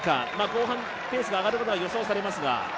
後半、ペースが上がることは予想されますが。